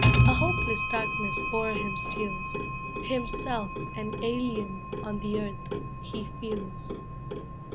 A hopeless darkness o'er him steals; Himself an alien on the earth he feels.